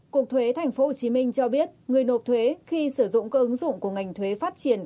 cục thuế tp hcm cho biết người nộp thuế khi sử dụng các ứng dụng của ngành thuế phát triển